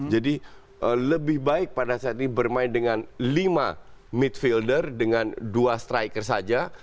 jadi lebih baik pada saat ini bermain dengan lima midfielder dengan dua striker saja